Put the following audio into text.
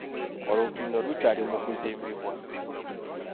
Olutindo lukyali mu kuzimbibwa.